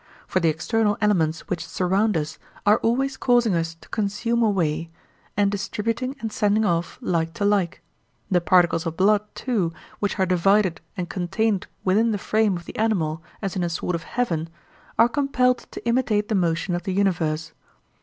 For the external elements which surround us are always causing us to consume away, and distributing and sending off like to like; the particles of blood, too, which are divided and contained within the frame of the animal as in a sort of heaven, are compelled to imitate the motion of the universe.